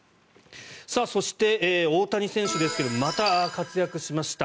そして、大谷選手ですがまた活躍しました。